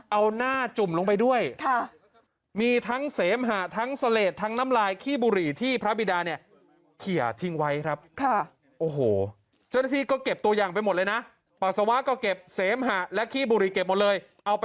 เอาหน้าจุ่มลงไปด้วยมีทั้งเสมหะทั้งเสลดทั้งน้ำลายขี้บุหรี่ที่พระบิดาเขียนทิ้งไว้ครับ